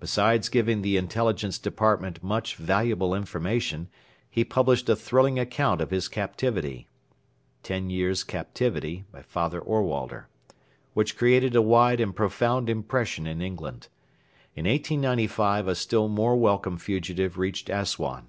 Besides giving the Intelligence Department much valuable information, he published a thrilling account of his captivity [TEN YEARS' CAPTIVITY, Father Ohrwalder], which created a wide and profound impression in England. In 1895 a still more welcome fugitive reached Assuan.